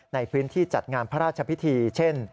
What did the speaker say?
ในพื้นที่จัดงานพระราชพิธีเช่น